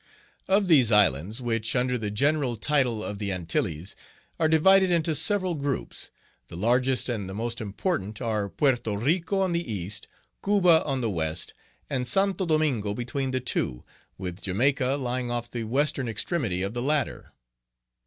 Of these islands, which, under the general title of the Antilles, are divided into several groups, the largest and the Page 14 most important are, Porto Rico on the east, Cuba on the west, and St. Domingo between the two, with Jamaica lying off the western extremity of the latter.